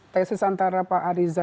tesis antara pak ariza